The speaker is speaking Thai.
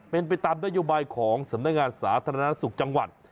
เป็นไปตามนโยบายของสำนักงานสาธารณสุขจังหวัด